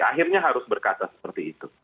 akhirnya harus berkata seperti itu